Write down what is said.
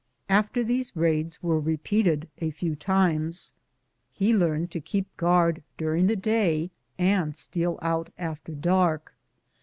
After these raids were repeated a few times, he learned to keep guard during the day and steal out after dark.